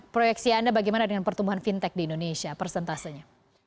proyeksi anda bagaimana dengan pertumbuhan fintech di indonesia persentasenya